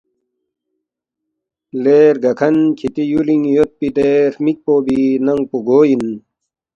”لے رگاکھن کِھتی یُولِنگ یودپی دے ہرمِکپو بی ننگ پو گو اِن؟